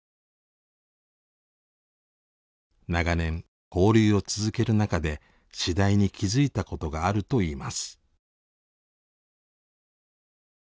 長年交流を続ける中で次第に気付いたことがあるといいます。